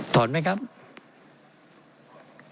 ถอนไหมครับ